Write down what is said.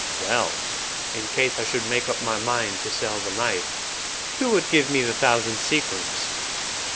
"Well! in case I should make up my mind to sell the knife, who would give me the thousand sequins?"